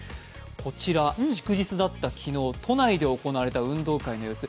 こちら、祝日だった昨日都内で行われた運動会の様子。